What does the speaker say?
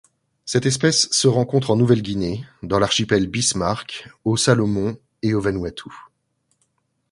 Cette espèce se rencontre en Nouvelle-Guinée, dans l'archipel Bismarck, aux Salomon et au Vanuatu.